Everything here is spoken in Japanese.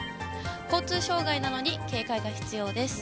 交通障害などに警戒が必要です。